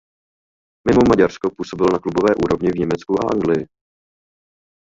Mimo Maďarsko působil na klubové úrovni v Německu a Anglii.